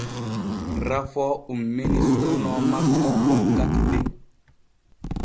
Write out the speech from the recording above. Rafoo ummini suuno makko wakkati den.